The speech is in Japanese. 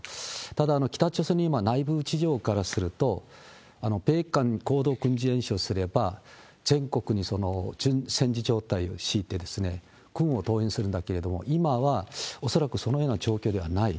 ただ、北朝鮮の今、内部事情からすると、米韓合同軍事演習をすれば、全国に戦時状態を敷いて、軍を動員するんだけれども、今は恐らくそのような状況ではない。